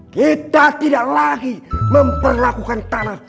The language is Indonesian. kita tidak lagi memperlakukan tanah